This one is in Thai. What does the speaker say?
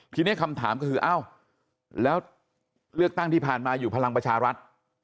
ทีนี้คำถามก็คือเอ้าแล้วเลือกตั้งที่ผ่านมาอยู่พลังประชารัฐ